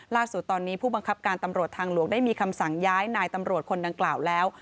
ล่าสุดตอนนี้ผู้บังคับการตำรวจทางหลวงได้มีคำสั่งย้ายนายตำรวจคนดังกล่าวแล้ว